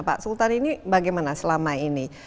pak sultan ini bagaimana selama ini